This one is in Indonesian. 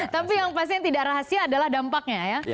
tapi yang pasti yang tidak rahasia adalah dampaknya ya